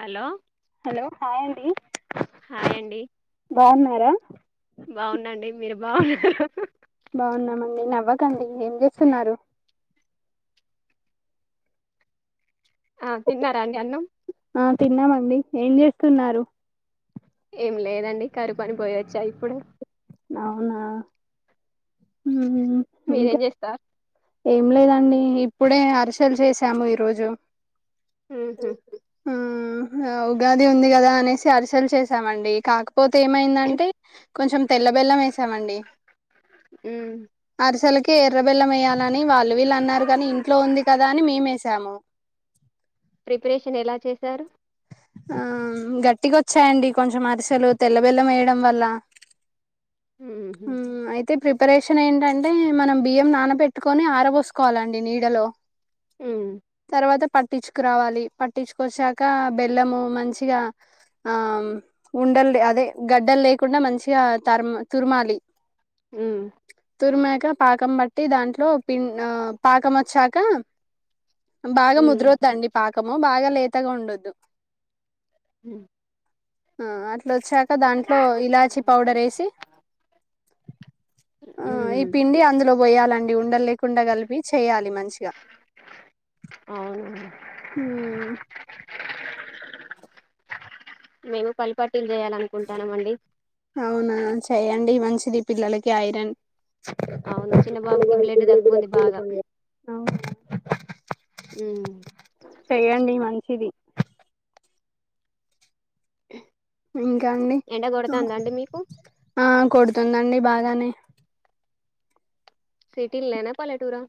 Hello hello hi అండి hi అండి బాగున్నారా బాగుందండి మీరూ బాగా బాగున్నామండి నవ్వకండి ఏం చేస్తున్నారు ఆ తిన్నారా అండి అన్నం ఆ తిన్నామండి ఏం చేస్తున్నారు ఏం లేదండి కరువు పని పోయవచ్చా ఇప్పుడు అవునా ఉమ్ ఇంకా మీరేం చేస్తారు ఏం లేదండి ఇప్పుడే అరిసలు చేసాము ఈరోోజు హ్మ్మ్ హ్మ్మ్ ఉగాది ఉంది కదా అనేసి అరిసలు చేశామండి కాకపోతే ఏమైందంటే కొంచెం తెల్ల బెల్లం వేసామండి ఉమ్ అరిసలకి ని వాళ్ళు వీళ్ళు అన్నారు కానీ ఇంట్లో ఉంది కదా అని మేమేసాము ప్రిపరేషన్ ఎలా చేశారు ఆ గట్టిగా వచ్చాయండి కొంచెం అరిసెలు తెల్లబెల్లం వేయడం వల్ల ఉహు హ్మ్మ్ అయితే అయితే ప్రిపరేషన్ ఏంటంటే మనం బియ్యం నానబెట్టుకొని ఆరపోసుకోవాలండి నీడలో ఉమ్ తర్వాత పట్టించుకురావాలి పట్టించుకొచ్చాక బెల్లము మంచిగా ఆ ఉండలు అదే గడ్డలు లేకుండా మంచిగా తర్మ తురుమాలి హ్మ్మ్ తురిమాక పాకం బట్టి దాంట్లో పిండి ఆ పాకం వచ్చాక బాగా ఉమ్ ముదరోద్దండి పాక ముక్కము బాగా లేతగా ఉండద్దు హ్మ్మ్ ఆ అట్ల వచ్చాక దాంట్లో ఇలాచి పౌడర్ వేసి ఆ ఈ ఉమ్ పిండి అందులో లో పోయాలండి ఉండ లేకుండా కలిపి చేయాలి మంచిగా అవును హ్మ్మ్ మేము పల్లి పట్టి అవునా చెయ్యడి మంచి శది పిల్లలకి ఐరన్ అవును చిన్న బాబుకి బ్లడ్ తక్కువ ఉంది బాగా ఉమ్ చేయండి మంచిది ఇంకా అండి ఎండ కొడతాందా అండి మీకు ఆ కొడుతుందండి బాగా అలానే సిటీ లేనా పాలటూరా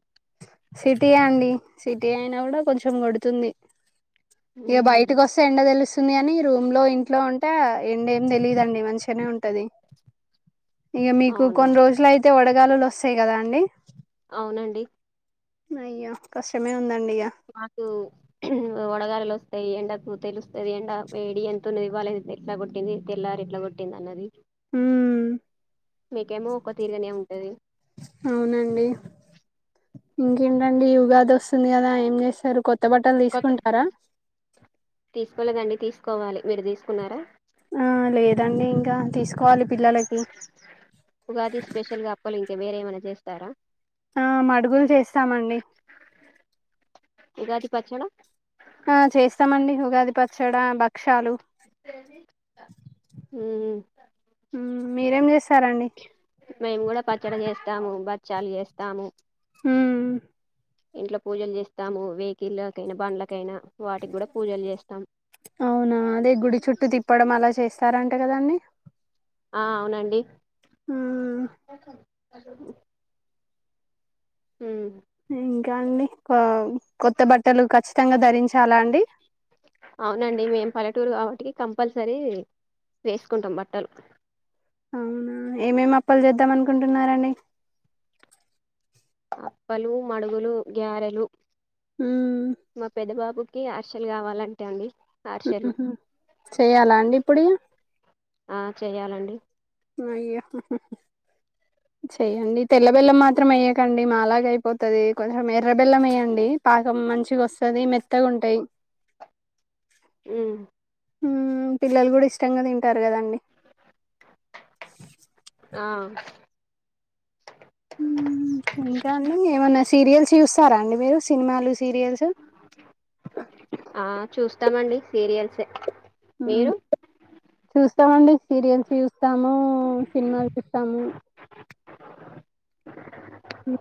సిటీయ అండి సిటీ అయినా కూడా కొంచెం గడుతుంది ఇక ఉమ్ బయటికి వస్తా ఎండ తెలుసు వస్తుంది అని రూమ్ లో ఇంట్లో ఉంటే ఎండా ఎమ్ తెలియదుండి మంచిగానే ఉంటది ఇక మీకు అవును కొన్ని రోజులు అయితే వడగాలలో సేయి కదా అండి అవునండి అయ్య కసమే మాకు వడగాలలో వస్త ఎండకు తెలుస్తుంది ఎండ ఎడి ఎంత ఉన్నది వాళ్ళ ఎట్లా కొట్టింది తెల్లారు ఎట్లా కొట్టింది అన్నది ఉమ్ మీకేమో ఒక్క తీరిగనే ఉంటది అవునండి ఇంకేంటండి ఉగాది వస్తుంది కదా ఏం చేశారు కొ కొత్త బట్టలు కొత్త తీసుకుంటారా తీసుకోలేదండి తీసుకోవాలి మీరు తీసుకున్నారా ఆ లేదండి ఇంకా తీసుకోవాలి పిల్లలకి ఉగాది స్పెషల్ గా అప్పలు ఇంకా వేరే ఏమైనా చేస్తారా ఆ మడుగులు చేస్తామండి ఉగాది పచ్చడా ఆ చేస్తామండి ఉగాది పచ్చడి భక్షాలు ఉమ్ మ్మ్, మీరేం చేస్తారండి మేము కూడా పచ్చడి చేస్తాము బ చ్చాలు చేస్తాము మ్మ్, ఇంట్లో పూజలు చేస్తాము వెహకిల్నా బండ్ల కాయినా వాటికి కూడా పూజలు చేస్తాం స్తార అంటే కదా అండి ఆ అవునండి ఎ కల్ హలో ఉమ్ ఇంకా అండి కొత్త బట్టలు ఖచ్చితంగా ధరించాలా అండి అవునండి మేము పల్లెటూరు కాబట్టి కంపల్సరీ వేసుకుంటాం బట్టలు అవునా ఏమేమి అప్పలు చేద్దాం అనుకుంటున్నారంండి అప్పలు మడుగులు గ్యారెలు మ్మ్, మా పేద బాబు కి అర్శలు కావాలంటే అండి ఉహు అరిసెలు హు చెయ్యాలా అండి ఇప్పుడు ఇగా ఆ చెయ్యాలండి అయ్య చెయ్యండి తెల్ల బెల్లం మాత్రం వయ్యకండి మాలాగా అయిపోతుంది కొంచెం ఎర్ర బెల్లం వేయండి పాకం మంచిగా వస్తుంది మెత్తగా ఉంటాయి ఉమ్ హుం పిల్లలు గుడా ఇష్టంగా తింటారు కదండి. ఆ హ్ం ఇంకా అండి ఏమన్నా సీరియల్స్ చూస్సారా అండి మీరు సిన్మాలు, సీరియల్స్ త్తామండి సీరియల్సే హు మీరు చూస్తామండి. సీరియల్స్ చూస్తాము, సిన్మా స్తాము.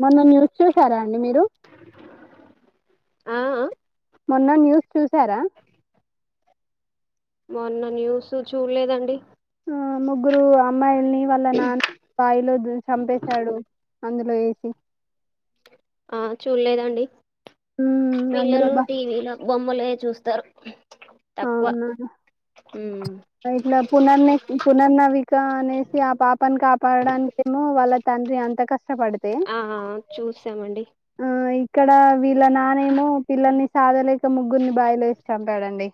మొన్నన్ మీరు చూసారా అండి మీరు. ఆఅ మొన్న న్యూస్ చూసారా. మొన్న న్యూసు చూల్లేదండి. ఆ ముగ్గురు అమ్మాయిల్న్ని వాల్ల నాన్ బాయిలో దు చంపేశాడు. అందులో ఏసి ఆ చూల్లేదండి. మ్మ్ అందులో పిల్లలు బా టీవీలో బొమ్మలె చూస్తారు. తక్కువ అవునా ఉమ్ ఇట్ల పునన్ని పునన్నవిక అనేసి ఆ పాపని కాపాడడానికి ఏమో వాళ్ళ తండ్రి అంత కస్ ష్టపడితే, ఆ చూసామండి ఆయి ఇక్కడ వీళ్ళ నానేమో పిల్లని సాధలేక ముగ్గుర్ని బాయిలొ ఎసి చంపాడండి.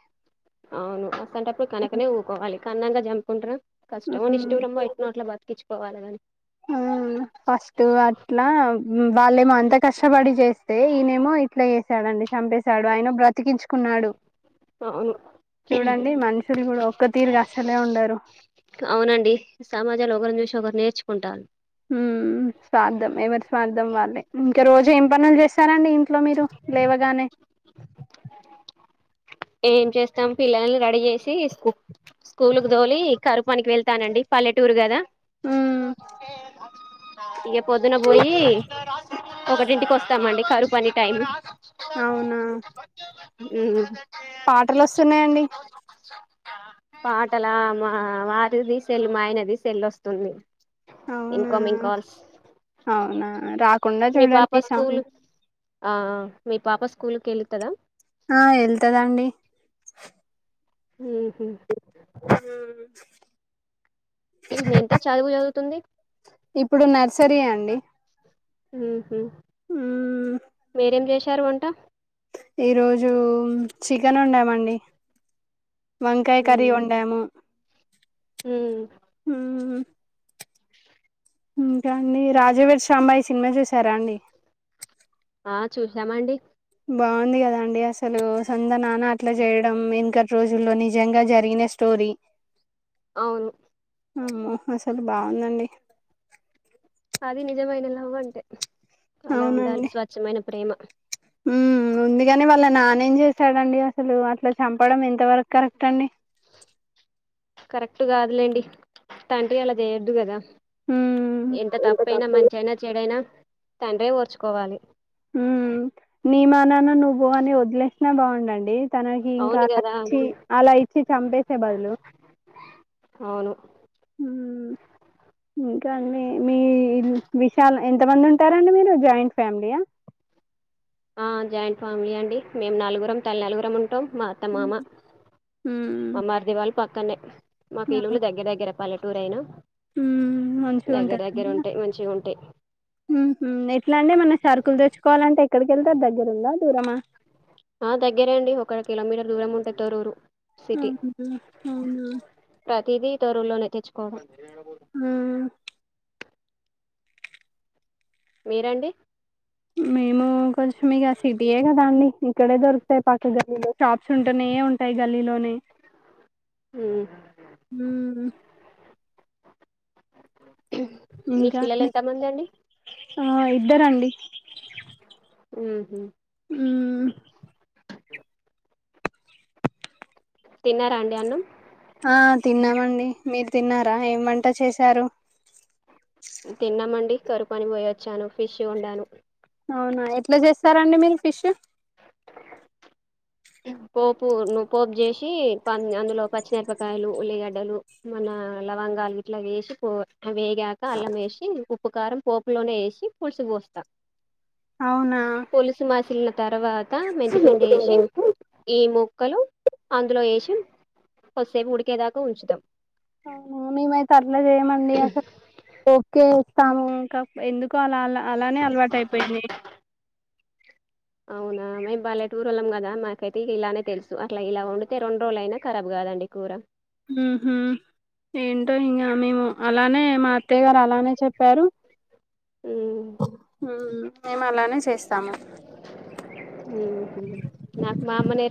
అవును అస్సాంటప్పుడు కనకనే ఊకోవాలి కన్నాంగా. జంపుకుంట్రు కష్టమో నిష్టురుమో ఎట్నొ నోట్ల బతుకిచ్చు పోవాలని ఆ ఫస్ట్ అట్ల వాళ్ళేమో అంత కష్షపడి జేస్తే ఈయనేమో ఇట్ల ఏ చరండి. చంపేశాడు ఆయన బ్రతికించుకున్నాడు, అవును చూడండి మన్షులు కూడా ఒక్క తీరుగా అసలే ఉండరు. చ్చుకుంటాల్ ఉ స్తార్థం ఎవరి స్వార్థం వాళ్ళే ఇంకా రోజు ఏం పనులు జేస్సారండి. ఇంట్లో మీరు లేవగానే ఏం చేస్తాం పిల్లల్ని రెడీ చేసి స్కూ స్కూల్ కు దోలి కరువుపనికి వెళ్తానండి పల్లెటూరు కదా. ఉమ్ అే ఇక పొద్దున పోయి, ఒకటింటికి వస్తామండి కరుపని టైమ్. అవునా ఉ పాటలు వస్తున్నాయండి పాటల మా వారిది సెల్ మా ఆయనది సెల్లొస్తుంది. అవునా రాకుండా మీ పాప చూడండి సౌండ్. స్కూల్ ఆ మీ పాప స్కూల్కెళ్తద. ఆ వెళ్తదండి. ఉహు. ఎంత చదువు చదువుతుంది ఇప్పుడు నర్సరీ అండి. ఉమ్. ఉ మ్మ్ మేరేం జేష్. సర ఉంట. ఈరోజు చికెన్ వొండామండి. వంకాయ కర్రీ ఉమ్ వండాము. ఉమ్ హుమ్. ఇకాండి రాజవడ్చ్. సాంబాయి సినిమా చూసారా అండి. ఆ చూసామండి. బాంధిగదండీ అస్. అసలు సొంద నాన్న అట్లా చేయడం ఇంక. రోజుల్లో నిజంగా జరిగిన స్టోరీ. అవును. అమ్మో అసల్ బాదండి. అది నిజమైన లవ్ అంటే. అలా ఉండాలి స్వచ్ఛమైన. ప్రేమ. ఉమ్ ఉంది గాని వాళ్ళ నానేం చేశాడండి అసలు అట్లా చంపడం ఎంత వరకు కరెక్ట్ అండి. కరెక్టుగాదులెండి తండ్రి అలా చేయొద్దు గదా. హ్మ్ ఎంత తప్పైన తప్పు మంచైన చెడైనా. తండ్రే ఓర్చుకోవాలే. ఉమ్ నీ మానాన నువ్ పో అని వదిలేసినా బాడండి. తనకి ఇంకా అవును కదా నచ్చి అలా ఇచ్చి చంపేసే బదులు. అవును. ఉమ్ ఇంకా అండి మీ విశాల్ ఎంతమంది ఉంటారండి మీరు జాయింట్ ఫ్యామిలీయా. జాయింట్ ఫ్యామిలీ అండి మేము నలుగురం తల్నలుగురం ఉంటాం. మా అత్త హ్మ్ మామ హ్మ్. మా మరిధివల్. పక్కనే. మాక్ ఇల్లులు దెగ్గదెగ్గర పల్లెటూరు అయినా. ఉమ్ దగ్గర మంచిగుంటది దగ్గర ఉంటాయి మంచిగా ఉంటాయి హు హ్మ్ ఎట్లా అంటే మన సరుకులు తెచ్చుకోవాలంటే ఎక్కడకెళ్తారు దగ్. గుందా దూరమా ఆ దగ్గరే అండి ఒక కిలోమీటర్ దూరం ఉంటాది తోరూరు అనుా అవునా [unintelligible] ఇది తరులోనే తెచ్చుకోవడం ఆ మీరండి మేము కొంచెం ఇక సిటీయే కదా అండి ఇక్కడే దొరికుతాయి పక్క గలో షాప్ చుంటూనే ఏ ఉంటాయి గల్లీలోనే మ్మ్. హు మీకు ఇంకా పిల్లలు అండి ఎంతమంది అండి ఆ ఇద్దరండి ఉహు ఉ తిన్నారా అండి అన్నం ఆ తిన్నామం అం మీరు తిన్నారా ఏంవంట చేశారు తిన్నామండి కరువు పని పోయోచ్చాను ఫిష్ వండాను అవునా ఎట్లా చేస్తారండి మీరు ఫిష్ పోపు పోపు చేసి ప అందులో పచ్చిమిరపకాయలు ఉల్లిగడ్డలు మన లవంగాలు ఇట్లా వేసి పో వేగాక అలాం వేసి ఉప్పుకారం పోపులోనే యేసి పులుసు పోస్తా అవునా పోులీసు మాసిలిన తర్వాత మెంతి పండి వేసి ఈ ముక్కలు అందులో వేసి కొసేపు ఉడికేదాకా ఉంచుతాం అవునా మేమైతే అట్లా చేయమండి అసలు ఓకే ముకా ఎందు [inaudible] అలా అ అలానే అలవాటు అయిపోయింది అవునా మేము బల్లెటూర్ వాళ్ళం కదా మాకైతే ఇలానే తెలుసు అట్లా ఇలా ఉండితే రెండు రోజులు అయినా కరాబ్ కాదండి కూర ఉహు ఏంటో ఇంకా మేము అలానే మా అత్తయ్య గారు అలానే చెప్పారు ఉమ్, ఉమ్ మేము అలానే చేస్తాము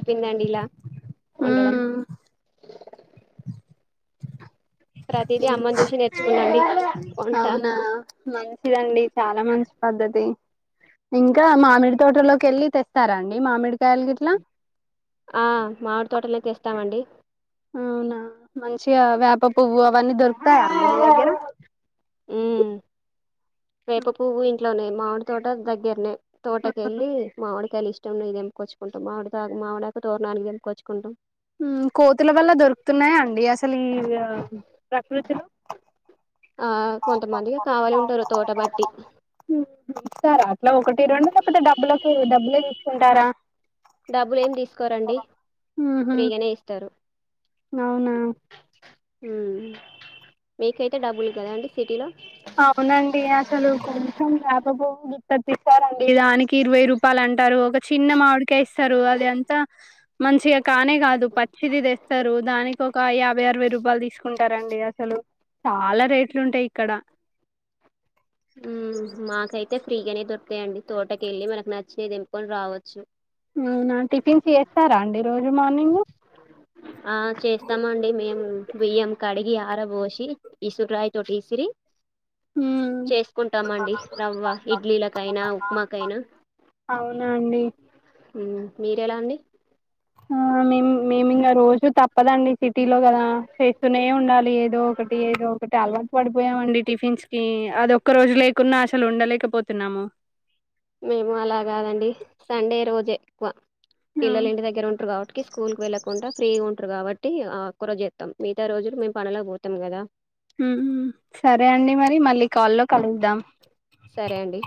వెనండిలా వండడం హ్మ్ ప్రతిదీ అమ్మని చూసి నేర్చుకున్నాండి వంట అవునా మంచిదండి చాలా మంచి పద్ధతి ఇంకా మామిడి తోటలోకి వెళ్ళి తెస్తారా అండి మామిడికాయలు గిట్లా ఆ మామిడి తోటలోనే తేస్తామండి అవునా మంచి వేప పువ్వు అవన్నీ దొరుకుతాయండి మీ దగ్గర ఉమ్ వేప పువ్వు ఇంట్లోనే మామిడి తోటక్ దగ్గరనే తోటకెల్లి మావిడికాయలు ఇష్ ఇష్టమైంది తెంపుకొచ్చుకుంటాం మావిడి కాయలు మామిడాకు తోరణానికి తెంపుకొచ్చుకుంటాం. ఉమ్ కోతుల వల్ల దొరుకుతున్నాయా అండి అసల్ ఈ ఆమ్ ప్రకృతిలో ఆ కొంతమందికి కావాలి ఉంటారు తోట బట్టి హు ఇస్తారా అట్లా ఒకటి రొండు లేకపోతే డబ్బులకే డబ్బులే తీస్ కుంటారా డబ్బులు ఏం తీసుకోరండి ఊహూ ఫ్రీగనే ఇస్తారు. అవునా ఉమ్ మీకైతే డబ్బులుక్కదా అండి సిటీలో అవునండి అసలు కొంచెం వ్యాపబోవ్వుదు కట్టిస్తారండి దానికి ఇరవై రూపాయలు అంటారు ఒక చిన్న మామిడికయి ఇస్తారు అది అంతా మంచిగ కానే కాదు పచ్చిది తెస్తారు. దానికి ఒక యాభై అరవై రూపాయలు తీసుకుంటారండి అసలు చాలా రేట్ అట్లుంటయి ఇక్కడ ఉమ్ మాకైతె ఫ్రీగనే దొర్ అంతే అండి తోటకెళ్ళి మనకి నచ్చినవి తేంపుకొని రావచ్చు. అవునా టిఫిన్ చేస్తారా అండి రోజు మార్నింగు ఆ చేస్తామండి మేము బియ్యం కాడి ఈ ఆర బోసి ఇసురు రాయ్ తోటి ఇసిరి ఊ చేసుకుంటామండి రవ్వ ఇడ్లీలకైనా ఉప్మాకైనా అవునా అండి ఉమ్ మీర్ ఎలా అండి ఆ మేము మేమింగ రోజు తప్పదండి. సిటీలో గదా చేస్తూనే ఉండాలి ఏదో ఒకటి ఏదో ఒకటి అలవా పడిపోయామండి టిఫిన్స్ కి అది ఒక్క రోజు లేకున్నా అసలు ఉండలేకపోతున్నాము. మేము అలా కాదండి సండే రోజే ఎక్కువ. పిల్లలు అవును ఇంటి దగ్గర ఉంటారు కావట్ కి స్కూల్ కి వెళ్లకుండా ఫ్రీగ ఉంటరు కాబట్టి ఆ ఒక్కరోజ్ చెత్తాం మిగతా రోజులు మేము పనులక్ పోతాం కదా హుమ్ సరే అండి మరి మళ్ళీ కాల్లో కలుద్దాం. సరే అండి